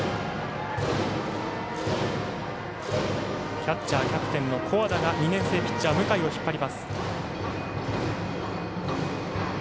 キャッチャーキャプテンの古和田が２年生ピッチャー向井を引っ張ります。